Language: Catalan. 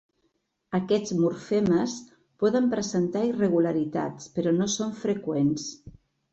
Aquests morfemes poden presentar irregularitats però no són freqüents.